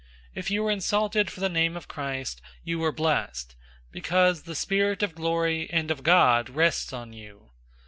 004:014 If you are insulted for the name of Christ, you are blessed; because the Spirit of glory and of God rests on you.